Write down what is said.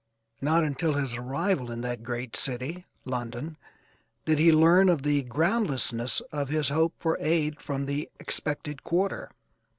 Not until his arrival in that great city, London, did he learn of the groundlessness of his hope for aid from the expected quarter.